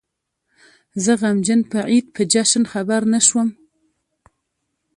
زه غمجن په عيد په جشن خبر نه شوم